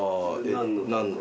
何の？